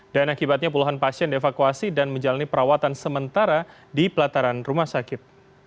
dan akibatnya puluhan pasien dievakuasi dan menjalani perawatan sementara di pelataran rumah sakit